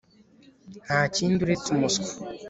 Nta kindi uretse umuswa